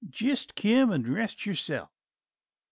"Jist come and rest yerself.